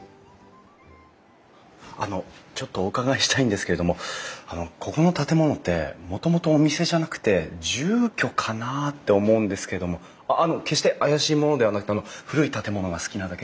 あのちょっとお伺いしたいんですけれどもあのここの建物ってもともとお店じゃなくて住居かなって思うんですけれどもあの決して怪しい者ではなくて古い建物が好きなだけでして。